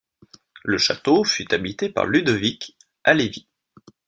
Le château fut habité par Ludovic Halévy.